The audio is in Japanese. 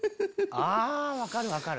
あ分かる分かる。